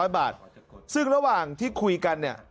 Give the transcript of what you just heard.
๐บาทซึ่งระหว่างที่คุยกันเนี่ย